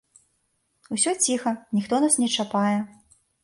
Усё ціха, ніхто нас не чапае.